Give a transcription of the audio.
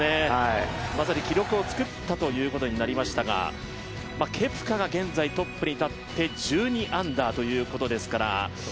まさに記録をつくったということですがケプカが現在トップに立って１２アンダーということですから。